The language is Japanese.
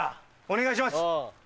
お願いします！